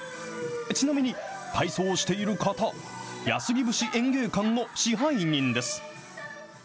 ちなみに体操をしている方、安来節演芸館の支配人です。